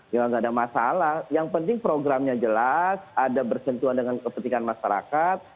ya nggak ada masalah yang penting programnya jelas ada bersentuhan dengan kepentingan masyarakat